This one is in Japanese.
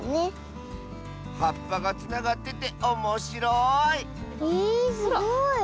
はっぱがつながってておもしろいえすごい。